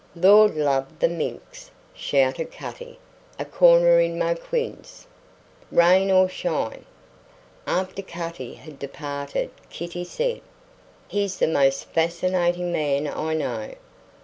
"Lord love the minx!" shouted Cutty. "A corner in Mouquin's." "Rain or shine." After Cutty had departed Kitty said: "He's the most fascinating man I know.